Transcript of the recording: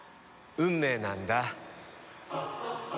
運命なんだ。